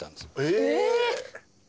え！